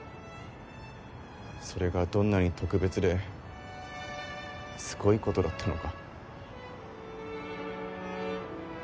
それがどんなに特別ですごいことだったのか。